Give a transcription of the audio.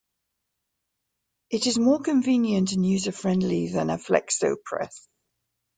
It is more convenient and user friendly than a flexo press.